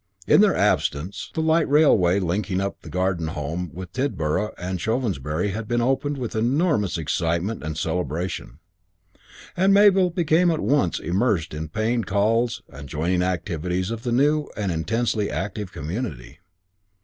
In their absence the light railway linking up the Garden Home with Tidborough and Chovensbury had been opened with enormous excitement and celebration; and Mabel became at once immersed in paying calls and joining the activities of the new and intensely active community.